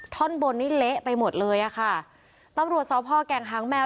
ท่อนบนนี้เละไปหมดเลยอะค่ะต้องรวดซ้อมพ่อแกงหางแมว